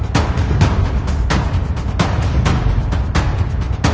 แปลวันที่สิบห้า